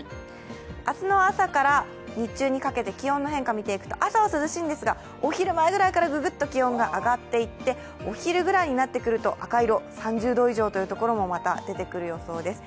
明日の朝から日中にかけて気温の変化を見ていくと朝は涼しいんですが、お昼前くらいからググッと気温が上がっていってお昼ぐらいになってくると赤いところ、３０度以上になるところもまた出てくる予想です。